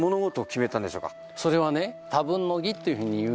それはね。